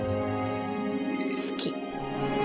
好き。